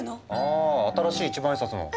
あ新しい一万円札の。